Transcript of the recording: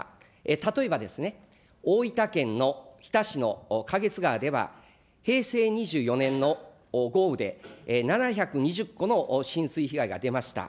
例えばですね、大分県の日田市のかげつ川では、平成２４年の豪雨で７２０戸の浸水被害が出ました。